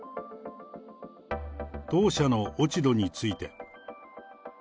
当社の落ち度について。